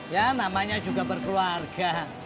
ya namanya juga berkeluarga